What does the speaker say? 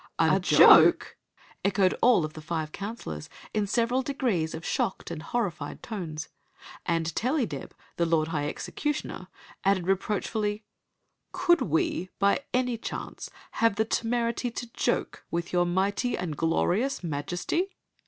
*'A joke?" echoed all of the five counselors, in several degrees of shocked and horrified tones; and Tellydeb, the lord high executioner, added reproach fully: " Could we, by any chance, have the tonority to joke with your mighty and glorious Majesty?"